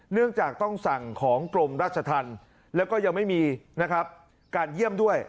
เนื่องจากต้องสั่งของกรมราชธรรมแล้วก็ยังไม่มีนะครับการเยี่ยมด้วย